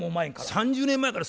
３０年前から。